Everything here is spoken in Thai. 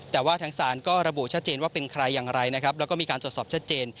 แต่ว่าทางศาลก็ระบุชัดเจนว่าเป็นใครอย่างไรนะครับแล้วก็มีการตรวจสอบชัดเจน